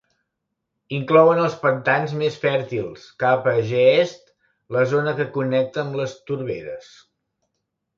Inclouen els pantans més fèrtils; cap a Geest, la zona que connecta amb les torberes.